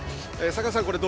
坂田さん